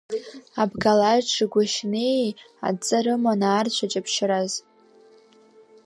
Абгалаџи Гәашьанеии адҵа рыман аарцә аҷаԥшьараз.